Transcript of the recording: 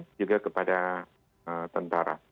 dan juga kepada tentara